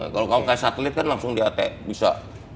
kalau kamu kayak satelit kan langsung di at bisa